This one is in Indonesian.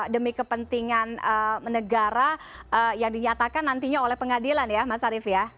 demi kepentingan negara yang dinyatakan nantinya oleh pengadilan ya mas arief ya